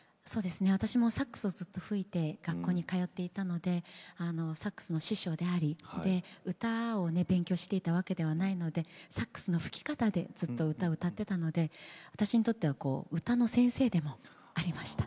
私もサックスをずっと吹いて学校も通っていたのでサックスの師匠であり歌を勉強していたわけではないのでサックスの吹き方でずっと歌を歌っていたので私にとっては歌の先生でもありました。